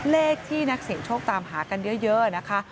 เลขที่นักเสียงโชคตามหากันเยอะนะคะ